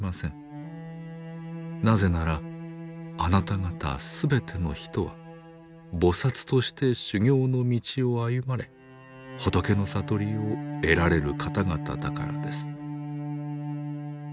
なぜならあなた方すべての人は菩薩として修行の道を歩まれ仏の悟りを得られる方々だからです。